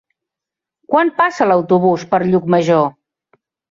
Quan passa l'autobús per Llucmajor?